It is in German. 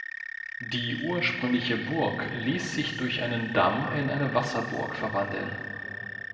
Die ursprüngliche Burg ließ sich durch einen Damm in eine Wasserburg verwandeln.